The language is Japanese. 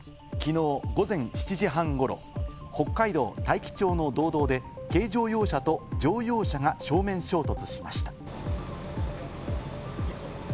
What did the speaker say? きのう午前７時半ごろ、北海道大樹町の道道で軽乗用車と乗用車が正面衝突しました。